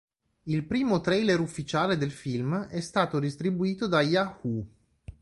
Il primo trailer ufficiale del film è stato distribuito da Yahoo!